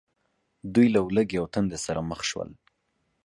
دوی له ولږې او تندې سره مخ شول.